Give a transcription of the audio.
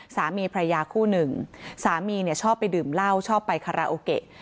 สามีพระยาคู่หนึ่งสามีเนี่ยชอบไปดื่มเหล้าชอบไปคาราโอเกะ